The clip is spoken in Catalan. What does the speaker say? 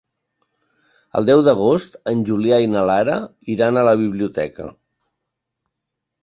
El deu d'agost en Julià i na Lara iran a la biblioteca.